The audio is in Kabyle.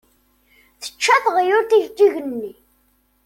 Tečča teɣyult ijeǧǧigen-nni.